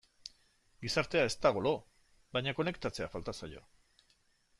Gizartea ez dago lo, baina konektatzea falta zaio.